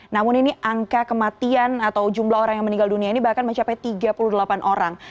namun ini angka kematian atau jumlah orang yang meninggal dunia ini bahkan mencapai tiga puluh delapan orang